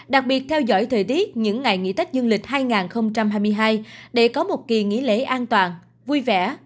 đặc biệt theo dõi thời tiết những ngày nghỉ tết dương lịch hai nghìn hai mươi hai để có một kỳ nghỉ lễ an toàn vui vẻ